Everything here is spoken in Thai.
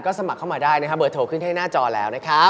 สมัครเข้ามาได้นะครับเบอร์โทรขึ้นให้หน้าจอแล้วนะครับ